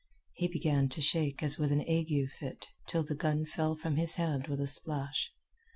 He began to shake as with an ague fit, till the gun fell from his hand with a splash.